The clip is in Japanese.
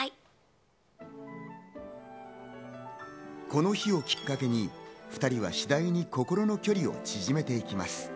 この日をきっかけに、２人は次第に心の距離を縮めていきます。